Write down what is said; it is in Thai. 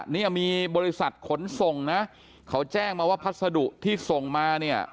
เนี่ยมีบริษัทขนส่งนะเขาแจ้งมาว่าพัสดุที่ส่งมาเนี่ย